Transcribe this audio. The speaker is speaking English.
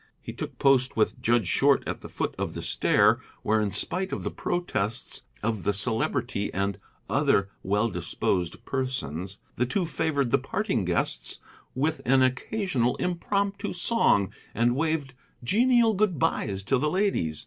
He took post with Judge Short at the foot of the stair, where, in spite of the protests of the Celebrity and of other well disposed persons, the two favored the parting guests with an occasional impromptu song and waved genial good byes to the ladies.